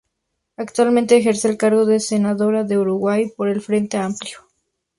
Actualmente ejerce el cargo de senadora del Uruguay por el Frente Amplio.